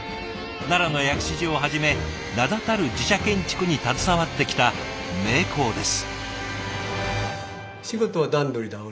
奈良の薬師寺をはじめ名だたる寺社建築に携わってきた名工です。